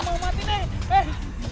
jangan naik eh